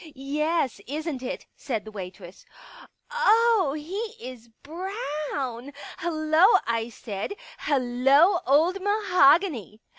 " Yes, isn't it," said the waitress. " 0 oh, he is brahn. * Hullo,' I said, * hullo, old mahogany.'